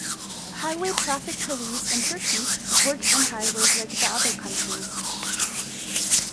Highway Traffic Police in Turkey works in Highways like the other countries.